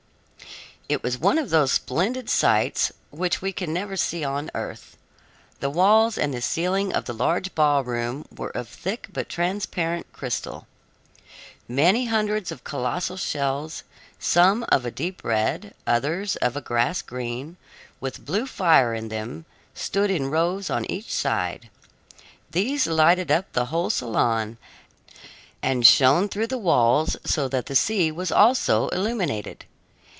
It was one of those splendid sights which we can never see on earth. The walls and the ceiling of the large ballroom were of thick but transparent crystal. Many hundreds of colossal shells, some of a deep red, others of a grass green, with blue fire in them, stood in rows on each side. These lighted up the whole salon, and shone through the walls so that the sea was also illuminated.